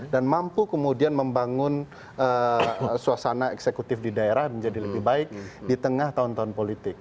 dan mampu kemudian membangun suasana eksekutif di daerah menjadi lebih baik di tengah tahun tahun politik